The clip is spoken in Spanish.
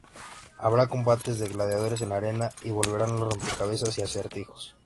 Habrá combates de gladiadores en la arena, y volverán los rompecabezas y acertijos.